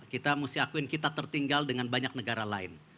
kita mesti akuin kita tertinggal dengan banyak negara lain